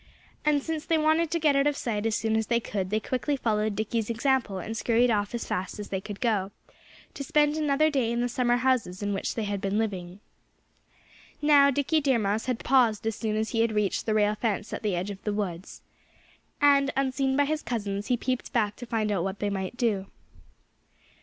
And since they wanted to get out of sight as soon as they could, they quickly followed Dickie's example and scurried off as fast as they could go, to spend another day in the summer houses in which they had been living. Now, Dickie Deer Mouse had paused as soon as he had reached the rail fence at the edge of the woods. And unseen by his cousins he peeped back to find out what they might do.